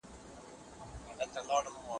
ډاکټر د ناروغ د درد لامل وموند.